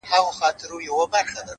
ښه ملګري ښه اغېز پرېږدي’